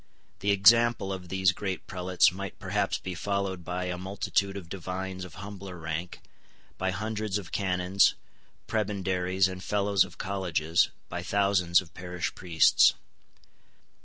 The example of these great prelates might perhaps be followed by a multitude of divines of humbler rank, by hundreds of canons, prebendaries, and fellows of colleges, by thousands of parish priests.